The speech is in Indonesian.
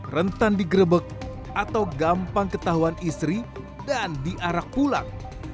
rentan digrebek atau gampang ketahuan istri dan diarak pulang